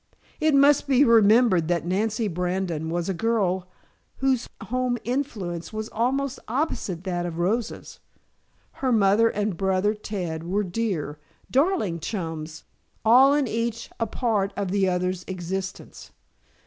It must be remembered that Nancy Brandon was a girl whose home influence was almost opposite that of Rosa's. Her mother and brother Ted were dear, darling chums, all and each a part of the other's existence.